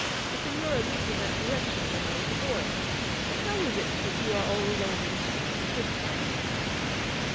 The Signora lived in that direction when I was a boy. But how is it that you are all alone in the streets at this time of night